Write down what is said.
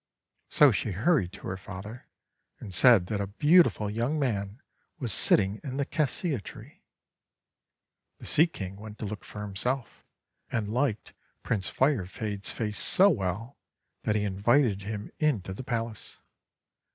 So she hurried to her father, and said that a beautiful young man was sitting in the Cassia Tree. The Sea King went to look for himself, and liked Prince Firefade's face so well that he invited him into the palace.